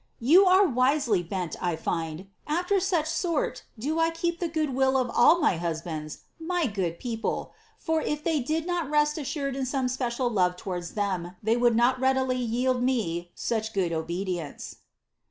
" You are wisely bent, I find ; after such sort do I keep the good will of all my husbands — my good people — for if they did not rest assured of some special lore towards ihem, ihey would nol readily yield me such good obedience."'